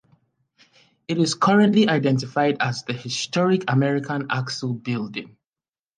It is currently identified as the Historic American Axle Building.